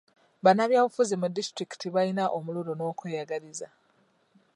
Bannabyabufuzi mu disitulikiti balina omululu n'okweyagaliza.